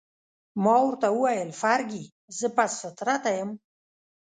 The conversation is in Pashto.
ما ورته وویل: فرګي، زه پست فطرته یم؟